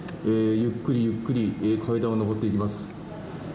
ゆっくりゆっくり階段を上っていきます。